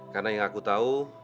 karena yang aku tahu